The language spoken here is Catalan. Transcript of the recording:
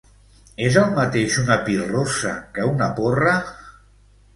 És el mateix una pirrossa que una porra?